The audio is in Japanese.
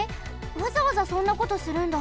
わざわざそんなことするんだ！？